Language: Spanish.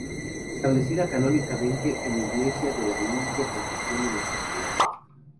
Establecida canónicamente en Iglesia de la Limpia Concepción de Nuestra Señora.